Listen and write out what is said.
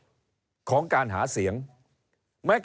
เริ่มตั้งแต่หาเสียงสมัครลง